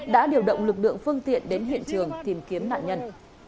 đã điều động lực lượng phương tiện đến hiện trường tìm kiếm nạn nhân